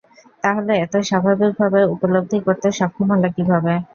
তাহলে এত স্বাভাবিকভাবে উপলব্ধি করতে সক্ষম হলে কীভাবে?